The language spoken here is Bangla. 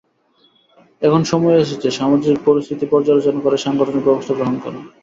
এখন সময় এসেছে, সামগ্রিক পরিস্থিতি পর্যালোচনা করে সাংগঠনিক ব্যবস্থা গ্রহণ করা।